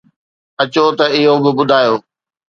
اچو ته اهو به ٻڌايو